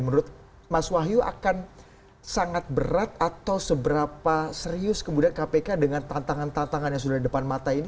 menurut mas wahyu akan sangat berat atau seberapa serius kemudian kpk dengan tantangan tantangan yang sudah di depan mata ini